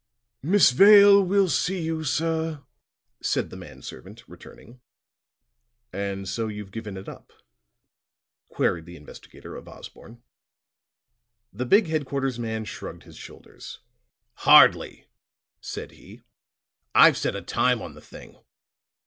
"Miss Vale will see you, sir," said the man servant, returning. "And so you've given it up?" queried the investigator of Osborne. The big headquarters man shrugged his shoulders. "Hardly," said he. "I've set a time on the thing.